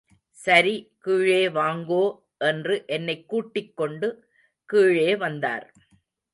சரி கீழே வாங்கோ என்று என்னைக் கூட்டிக் கொண்டு கீழே வந்தார்.